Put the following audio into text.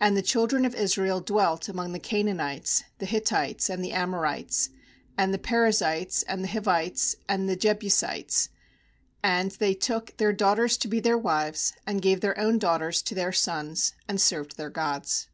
5And the children of Israel dwelt among the Canaanites, the Hittites, and the Amorites, and the Perizzites, and the Hivites, and the Jebusites; 6and they took then* daughters to be their wives, and gave their own daughters to then sons, and served their gods.